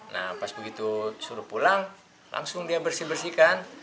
nah pas begitu suruh pulang langsung dia bersih bersihkan